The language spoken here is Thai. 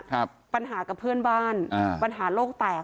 ครับปัญหากับเพื่อนบ้านอ่าปัญหาโลกแตก